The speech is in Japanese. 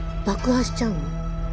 爆破しちゃうの？